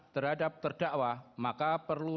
terhadap terdakwa maka perlu